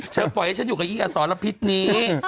ปล่อยให้ฉันอยู่กับยิ่งอสรพิษนี้